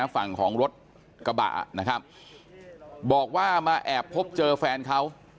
ฝั่งของรถกระบะนะครับบอกว่ามาแอบพบเจอแฟนเขา